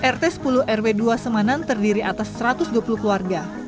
rt sepuluh rw dua semanan terdiri atas satu ratus dua puluh keluarga